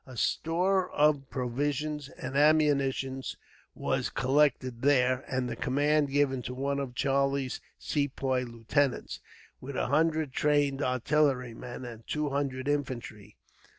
A store of provisions and ammunition was collected there, and the command given to one of Charlie's Sepoy lieutenants, with a hundred trained artillerymen, and two hundred infantry.